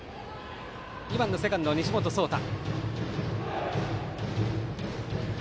２番のセカンド、西本颯汰。